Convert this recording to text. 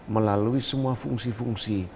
melalui semua fungsi fungsi